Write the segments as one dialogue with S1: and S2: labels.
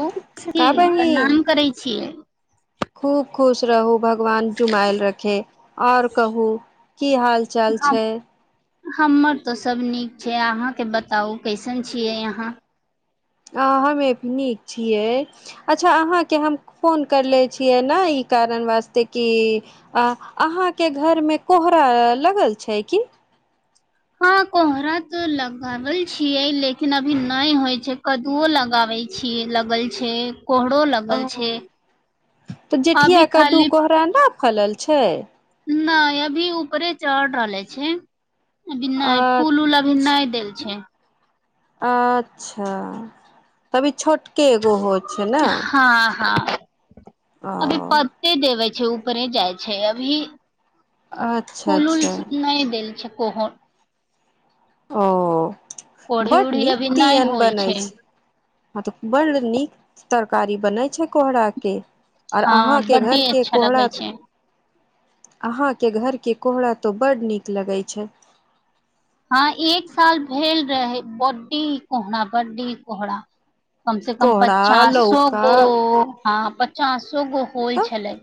S1: ओम जी
S2: का
S1: प्रणाम
S2: बहिन
S1: करै छियै
S2: खूब खुश रहू भक भगवान जुमायल रखे आओर कहू की हाल चाल
S1: हम
S2: छै
S1: हमर तऽ सभ नीक छै अहाँके बताउ कैसन छियै आहाँ
S2: आ हमे नीक छियै अच्छा अहाँके हम फोन करले छियै ने ई ई कारण वास्ते कि अहााँके घर मे कोहरा लगल छै कि
S1: हँ कोहरा तऽ लगावल छियै लेकिन अभी नहि होइ छै कद्दूओ लगाबे छी लगल छै कोहरो
S2: ओ
S1: लगल छै
S2: तऽ
S1: अभी
S2: जेठिया कद्दू
S1: खाली
S2: कोहरा ने फलल छै
S1: नहि अभी ऊपरे चढ़ रहले छै अभी
S2: अ
S1: नहि फूल ऊल अभी नहि देल छै
S2: अच्छा तभी छोटके एगो होइ छै ने
S1: हँ हँ
S2: ओ
S1: अभी पत्ते देबे छै ऊपरे जाइ छै अभी
S2: अच्छा
S1: फूल उल
S2: अच्छा
S1: नहि देल छै कोहर
S2: ओ
S1: कोढ़ी
S2: ब्ड
S1: उढ़ी
S2: नीक
S1: अभी नहि
S2: तियन
S1: होइ
S2: बनै छै ह तऽ बड़ नीक तरकारी बनै छै कोहरा के आर
S1: हँ
S2: अहाँके
S1: बड्डे
S2: घरके
S1: अच्छा
S2: कोहरा
S1: लगै छै
S2: अहाँके घरके कोहरा तऽ बड नीक लगै छै
S1: हँ एक साल भेल रहै ओड्डी कोहरा बड्डी कोहरा कम से कम
S2: कोहरा
S1: पचासो
S2: लौका
S1: गो हँ पचासो गो होल
S2: तऽ
S1: छलै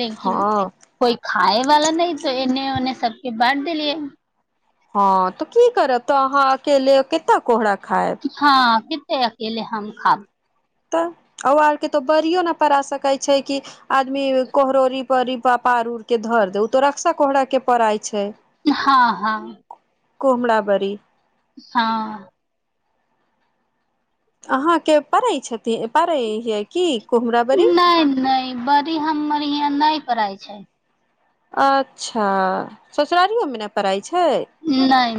S1: लेकिन
S2: हँ
S1: कोइ खा खाय वाला नहि तऽ एन्ने ओन्ने सबके बाँट देलियै
S2: हँ तऽ की करब तऽ अहाँ अकेले कतेक कोहरा खायब
S1: हँ कते अकेले हम खाब
S2: तऽ ओ आर के तो बरियो न पड़ा सकैत छै कि आदमी कोहरोरी बरि पापड़ पार उर के धर दे ओ तऽ रक्शा कोहरा के पड़ाइ छै
S1: हँ हँ
S2: कोमला बरी
S1: हँ
S2: अहाँ के पड़ै छथिन पड़ै हियै की कोहमरा बरी
S1: नहि नहि बड़ी हमर यहाँ नहि परै छै
S2: अच्छा ससुरारियो मे ने पराई
S1: नहि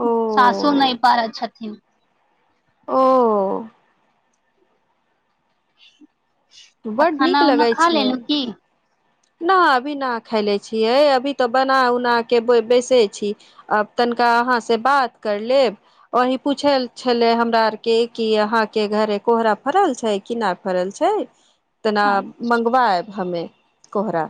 S2: ओ
S1: सासो नहि पारै छथिन
S2: ओ
S1: आ
S2: बड्ड
S1: खाना
S2: नीक
S1: उना
S2: लगै
S1: खा
S2: छै
S1: लेलहु की
S2: न अभी न खायले छियै अभी तऽ बना उना के बैसे छी आ तनी हुका आहाँ से बात कर लेब वोहि पूछल छल हमरा आर के अहा के घर कोहरा फरल छै कि ना फरल छै तेना मंगवायब हमे कोहरा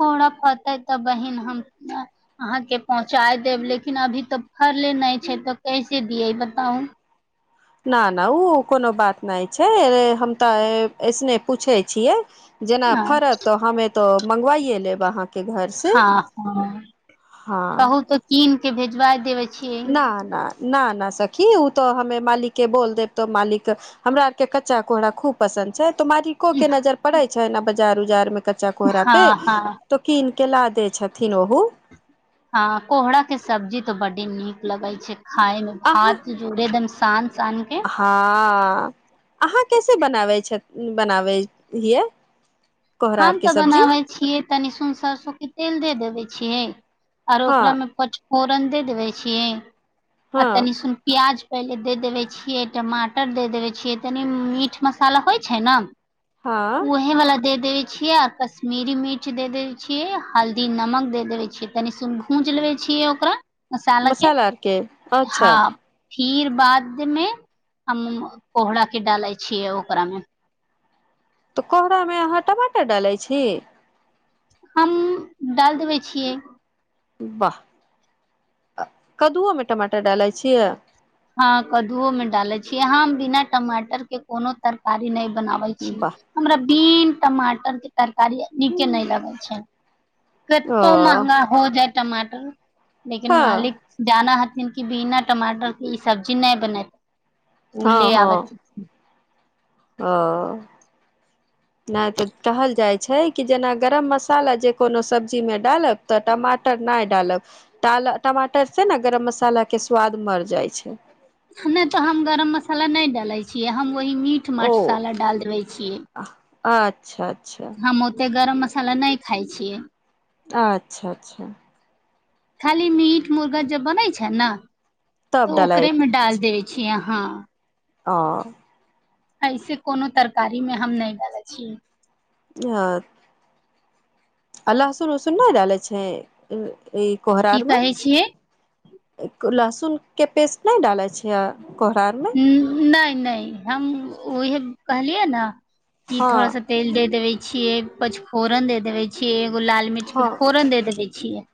S1: कोहरा फरतै तऽ बहिन हम अहाँके पहुँचा देब लेकिन अभी तऽ फ फरले नै छै तो कैसे दिय बताउ
S2: ना ना ओ कोनो बात नहि छै हम तऽ अऐसने पूछै छियै जेना
S1: हँ
S2: फड़त तो हम ए तो मंगवाइे लेब अहाँके घरसँ
S1: हँ ह
S2: हँ
S1: कहू तऽ कीन के भेजवा देबे छियै
S2: ना ना ना ना सखी ओ तो हमे मालिक के बोल देब तो मालिक हमरा आर के कच्चा कोहराा खूब पसन्द छै तो मालिको के नजर पड़े छै ने बजार उजार मे कच्चा कोहरा पे
S1: हँ हँ
S2: तो कीन के ला दे छथिन ओहो
S1: हँ कोहराक के सब्जी तऽ बडी नीक लगै छै खााय मे
S2: अहाँ
S1: भात जोड़े एकदम शान शान के
S2: हँ अहाँ कैसे बनाबै छै बनाबै हियै कोहरा
S1: हम
S2: आरके
S1: तऽ
S2: सब्जी
S1: बनाबे छियै तनी सरसों के तेल दे देबे छियै आरो
S2: हँ
S1: ओकरा में पचफोरन दे देबे छियै आ
S2: हँ
S1: तनी सुन प्याज पहिले दे देबे छियै टमाटर दे देबे छियै तनी मीट मसाला होइ छै ने
S2: हँ
S1: ओही वला दे दे छीये आर कश्मीरी मिर्च दे देवे छीये हल्दी नमक देवे छीये तनिस भूंज लेवे छीे छिय ओकरा मसाला के
S2: आरके अच्छा
S1: हँ फिर बाद मे हम पोहरा के डाले छियै ओकरा मे
S2: तऽ कोहरा में अहाँ टमाटर डालै छी
S1: हम डालि देबै छियै
S2: वाह कददुओ में टमाटर डालै छियै
S1: हँ कद्दूओ में डाले छीयै हम बिना टमाटर के कोनो तरकारी नहि बनाबै छी
S2: वाह
S1: हमरा बीन टमाटर के तरकारी नीके नहि लगे छै
S2: ओ
S1: कतो महगा हो जाय टमाटर लेकिन
S2: हँ
S1: मालिक जाना ह बिना टमाटर के ई सब्जी नहि बनेत ओ
S2: हँ
S1: ले
S2: हँ
S1: आबैत
S2: ओ नहि तऽ टहल जाइ छै कि जेना गरम मसाला जै कोनो सब्जी मे डालब तऽ टमाटर नै डालब डा टमाटर से ने गरम मसाला के स्वाद मर जाइ छै
S1: नै तऽ हम गरम मसाला नहि डालैत छियै हम कोहि मीट मसाला डालि देबै छियै
S2: अच्छाा
S1: हम ओते गरम मसाला नहि खाइ छियै
S2: अच्छा अच्छा
S1: खाली मीट मुर्गा जब बनै छै न
S2: तब
S1: तऽ
S2: डालै
S1: ओकरे मे डाल दैय छिय हँ
S2: ओँ
S1: ऐसे कोनो तरकारी में हम नहि डालै छियै
S2: ह आ लह्सुन उसुन नहि डाले छै ई कोहरार
S1: की
S2: मे
S1: कहै छियै
S2: लहसुन के पेस्ट नहि डाले छियै कोहरा आरमे
S1: नहि नहि हम ओहे कहलियै न ई थोड़ा
S2: हँ
S1: सा तेल दे देबे छियै पचफोरन दे देबे छियै उ लाल मिर्च के
S2: हँ
S1: फोरन दे देबै छियै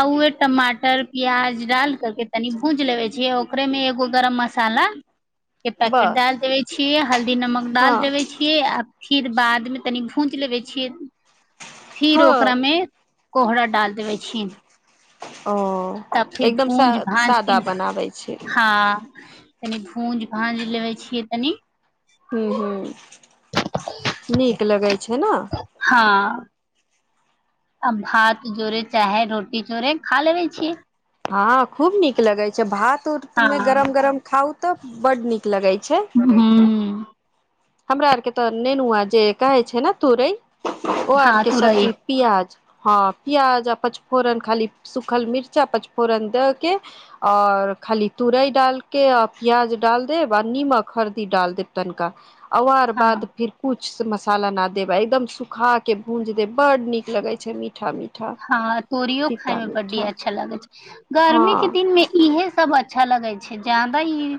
S1: आ उहे टमाटर प्याज डाल कर के तनि भूज लेबे छिय ओकरे में एगो गरम मसाला के पैकेट
S2: बस
S1: डाल देबे छियै हल्दी नमक डाल
S2: हँ
S1: देबे छियै आ फिर बादमे तनी भूज लेबे छियै फिर
S2: हँ
S1: ओकरा मे कोहरा डाल देबै छियै
S2: ओ
S1: तब फिर
S2: एकदम सा
S1: भुंज भाँज के
S2: सादा बनाबै छै
S1: हँ तनि भूंज भाँज लेबे छियै तनी
S2: ह्म ह्म नीक लगै छै न
S1: अ भात जोरे चाहे रोटी जोरे खा लेबे छियै
S2: हँ खूब नीक नीक लगै छै भात
S1: हँ
S2: उतमे गरम गरम खाउ तऽ बड्ड नीक लगै छै
S1: हूँ
S2: हमरा आर के तऽ नेनुआ जे कहै छै ने तुरै ओ
S1: हँ
S2: आरके
S1: तुरई
S2: सब्जी प्याज हँ पियाज आ पचफोरन खाली सुखल मिर्चा पचफोरन दके आर र खाली तूराई डालके आ प्याज डाल देब आ निमक हरदी डाल देब तनिका औ आर बाद
S1: हँ
S2: फिर कुछ कुछ मसाला न देब आ एकदम सुखा के भूंज देब बड नीक लगे छै मी
S1: हँ तोरीओ खाय में बड्डी
S2: मीठा
S1: अच्छा लागे छै गर्मी के
S2: हँ
S1: दिन में इहे सब अच्छा लगे छै जादा ई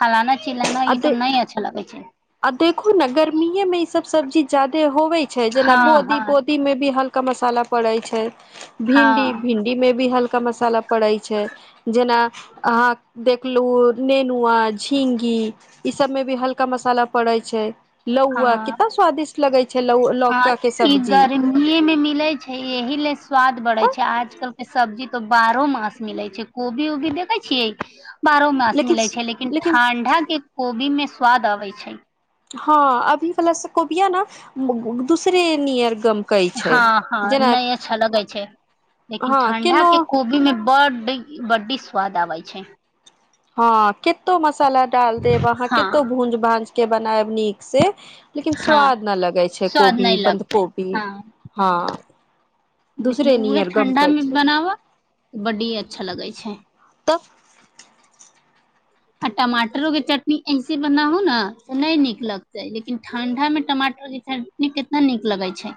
S1: फलाना चिलाना इ सब नहि अच्छा लगे छै
S2: आब देखू न गर्मीेये मे ई सब सब्जी ज्यादे होवे छै जेना
S1: हँ
S2: बोदी
S1: हँ
S2: बोदी मे भी हल्का मसाला पड़ै छै भिन्डी
S1: हँ
S2: भिन्डी मे भी हल्का मसाला पड़ै छै जेना अहाँक देखलु नेनुआ झिंगी ई सब मे भी हल्का मसाला पड़ै छै लौआ
S1: हँ
S2: कितना स्वादिष्ट लगै छै लौ
S1: हँ
S2: लौका के
S1: ई
S2: सब्जी
S1: गर्मीए मे मिले छै एहि स्वाद बढ़े
S2: तऽ
S1: छै आजकल सब्जी तो बारहो मास मिलै छै कोबी ओबी देखे छियै बारहो मास
S2: लेकिन
S1: मिले छै लेकिन ठंडा के कोबी में स्वाद अबै छै
S2: हँ अभी बला स कोबिया न उ उ दूसरे नियर गमकै छै
S1: हँ हँ
S2: जेना
S1: नहि अच्छा लगै छै लेकिन
S2: हँ
S1: ठंडा
S2: केनो
S1: के कोबी में बड बड्डी स्वाद आवै छै
S2: हँ केतो मसाला डाल देब अहाँ
S1: हँ
S2: केतो भूंज भांज के बनायब नीक से लेकिन
S1: हँ
S2: स्वाद नहि लगै छै
S1: स्वाद
S2: कोबी
S1: नहि
S2: बन्ध
S1: लगतै
S2: कोबी
S1: हँ
S2: हँ
S1: लेकिन
S2: दूसरे
S1: उहे
S2: नियर
S1: ठण्डा
S2: गमकै
S1: मे
S2: छै
S1: बनाब बड्डी अच्छा लगै छै
S2: तब
S1: आ टमाटरो के चटनी ऐसे बनाहु न त नहि नीक लगते लेकिन ठंडा मे टमाटर चटनी कितना नीक लगे छै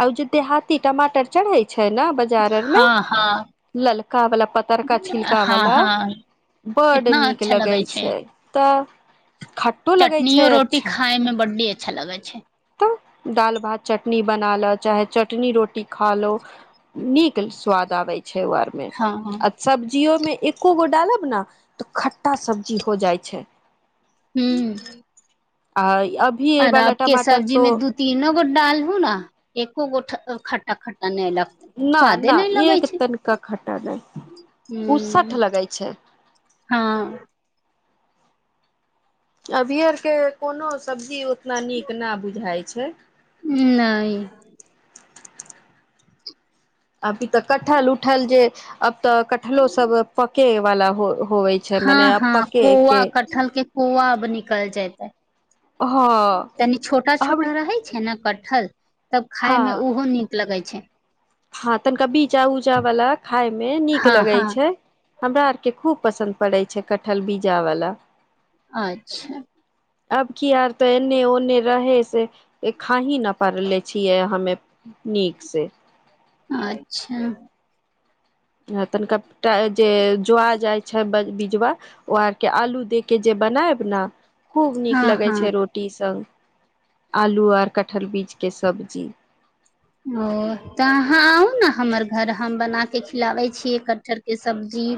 S2: आ ओ जे देहाती टमाटर चढ़ैत छै न बाजार आर में
S1: हँ हँ
S2: ललकावला पतारका
S1: हँ
S2: छिलकावला
S1: हँ
S2: बड
S1: कितना
S2: नीक
S1: अच्छा
S2: लगै छै तऽ खट्टो लगै
S1: चटनीओ
S2: छै
S1: रोटी
S2: अच्छा
S1: खाायमे बड्डी अच्छा लगै छै
S2: तऽ दाल भात चटनी बना लो चाहे चटनी रोटी खा लो नीक स्वाद आबे छै ओ आरमे
S1: हँ
S2: आ सब्जियो मे एको गो डालब ने तऽ खट्टा सब्जी हो जाइ छै
S1: हूँ
S2: आ अभी ए
S1: आर
S2: वाला
S1: आबके
S2: टमाटर
S1: सब्जी
S2: तो
S1: मे दू तीनो गो डालहु न एको गो खटटा ख
S2: न न एक तनिका खट्टा नहि
S1: ह
S2: उसठ लगै छै
S1: हँ
S2: अभी आरके कोनो सब्जी उतना नीक न बुझाइ छै
S1: नइ
S2: [inaudible] अभी तऽ कटहल उठल जे अब तऽ कटहलो सब पके वाला हो होवे छै मने
S1: हँ
S2: अब
S1: हँ
S2: पके के
S1: कौआ कठहल के कौआ अब निकल जैतै
S2: हँ
S1: तनी छोटा
S2: हम
S1: छोटा रहे छै ने कटहल तब खाय में
S2: हँ
S1: उहो नीक लगे छै
S2: हँ तनिका बीजा उजा वाला खाय मे नीक
S1: हँ
S2: लगै
S1: हँ
S2: छै हमरा आरके खूब पसन्द पड़ै छै कटहल बीजा बाला
S1: अच्छा
S2: अबकी आर तऽ एने ओने रहे से खाही न पाअर्ले छियै हमे नीक से
S1: अच्छा
S2: तनिका जे जोआ जाय छै बिजवा ओ आर के आलू दे के जे बनायब ने खूब नीक
S1: हँ
S2: लगै
S1: हँ
S2: छै रोटी संग आलू आर कठहल बीज के सब्जी
S1: ओ तऽ अहाँ आउ न हमर घर हम बनाके खिलाबै छि कटहर के सब्जी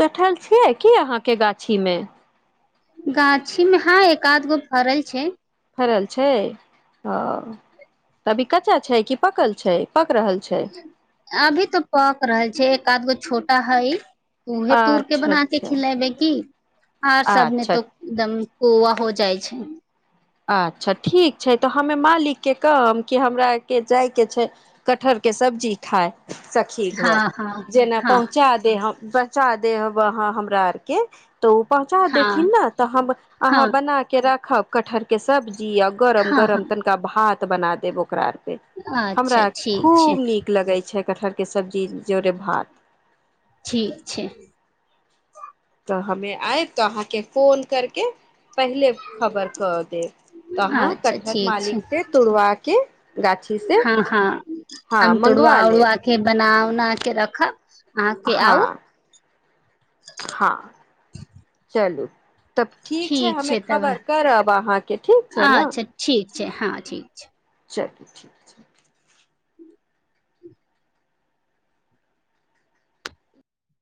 S2: कठहल छै की अहाँके गाछी मे
S1: गाछी मे हँ एक आध गो फरल छै
S2: फड़ल छै ह तभी कच्चा छै कि पकल छै पक रहल छै
S1: अभी तऽ पक रहल छै एक आध गो छोटा है उहे तोरके
S2: अच्छा
S1: बना के
S2: अच्छा
S1: खिलेबै की आर सब ने
S2: अच्छा
S1: तो एकदम कोआ हो जाइ छै
S2: अच्छा ठीक छै तऽ हम में मालिक के कहब कि हमरा के जायके छै कटहर के सब्जी खाय सखी
S1: हँ
S2: घर
S1: हँ
S2: जेना
S1: हँ
S2: पहुँचा दे हम ब चादे अब अहाँ हमरा आरके तऽ ओ पहुँचा देथिन
S1: हँ
S2: ने तऽ हम अहाँ
S1: हँ
S2: बना के राखब कटहर के सब जी आ गरम
S1: हँ
S2: गरम तनिका भात बना देब ओकरा
S1: हँ
S2: हमरा
S1: अच्छा ठीक छै
S2: खूब नीक लगै छै कटहर के सब्जी जोरे भात
S1: ठीक छै
S2: तऽ हमे आयब तऽ अहाँके फोन करके पहिले खबर क देब त अहाँ
S1: अच्छा
S2: कटहर
S1: ठीक
S2: मालिक
S1: छै
S2: से तोड़वा के गाछी से
S1: हँ हँ
S2: हँ
S1: हम
S2: मंगवा
S1: तोड़वा
S2: लेब
S1: उड़बा के बना उना के रखब अहाँके आउ
S2: हँ हँ चलू तब ठीक छै हमे खबर करब अहाँके ठीक छै ने
S1: अच्छा हँ ठीक ठीक छै
S2: चलू ठीक छै